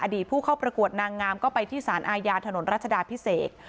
ผู้เข้าประกวดนางงามก็ไปที่สารอาญาถนนรัชดาพิเศษ